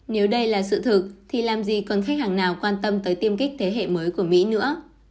nếu đây là sự thực thì làm gì còn khách hàng nào quan tâm tới tiêm kích thế hệ mới của mỹ nữa